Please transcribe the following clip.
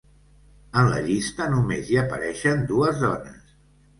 En la llista, només hi apareixen dues dones.